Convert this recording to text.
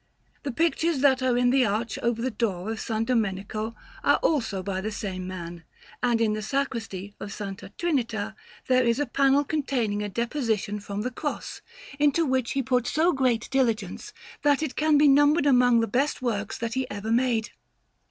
The pictures that are in the arch over the door of S. Domenico are also by the same man; and in the Sacristy of S. Trinita there is a panel containing a Deposition from the Cross, into which he put so great diligence, that it can be numbered among the best works that he ever made.